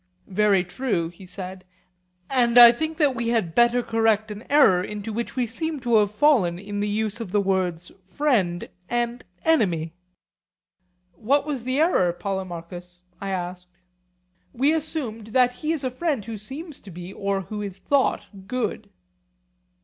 Very true, he said: and I think that we had better correct an error into which we seem to have fallen in the use of the words 'friend' and 'enemy.' What was the error, Polemarchus? I asked. We assumed that he is a friend who seems to be or who is thought good.